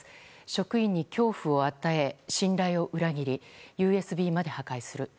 職員に恐怖を与え、信頼を裏切りＵＳＢまで破壊する。